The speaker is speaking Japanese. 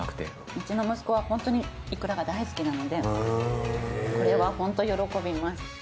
うちの息子はホントにいくらが大好きなのでこれはホント喜びます。